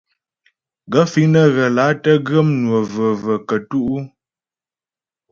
Gaə̂ fíŋ nə́ ghə́ lǎ tə́ ghə́ mnwə və̀və̀ kətú' ?